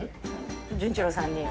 純一郎さんに。